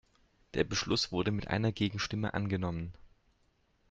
Der Beschluss wurde mit einer Gegenstimme angenommen.